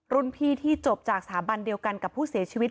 พี่ที่จบจากสถาบันเดียวกันกับผู้เสียชีวิต